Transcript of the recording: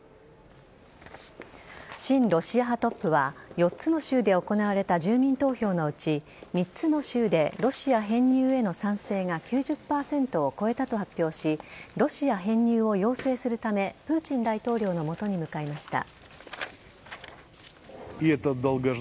親ロシア派トップは４つの州で行われた住民投票のうち３つの州でロシア編入への賛成が９０％を超えたと発表しロシア編入を要請するためプーチン大統領のもとに向かいました。